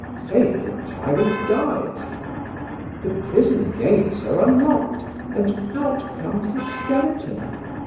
Say the tyrant dies?" "The prison gates are unlocked and out comes a skeleton.